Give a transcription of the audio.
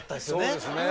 そうですね。